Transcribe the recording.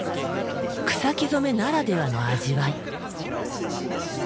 草木染めならではの味わい。